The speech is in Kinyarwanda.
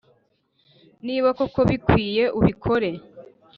niba koko bikwiye ubikore